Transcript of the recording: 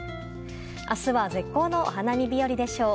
明日は絶好のお花見日和でしょう。